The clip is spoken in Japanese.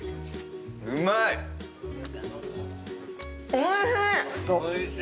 おいしい。